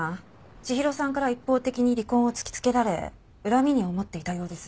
千尋さんから一方的に離婚をつきつけられ恨みに思っていたようです。